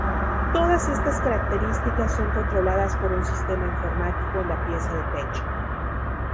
Todas estas características son controladas por un sistema informático en la pieza de pecho.